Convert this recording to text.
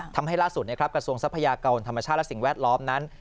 ทำให้ล่าสุดนะครับกระทรวงทรัพยากรธรรมชาติและสิ่งแวดล้อมนั้น